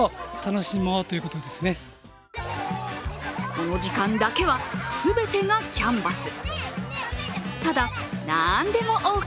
この時間だけは、全てがキャンバス。